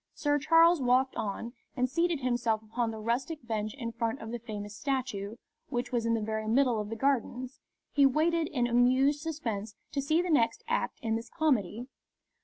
Sir Charles walked on, and, seating himself upon the rustic bench in front of the famous statue, which was in the very middle of the Gardens, he waited in amused suspense to see the next act in this comedy.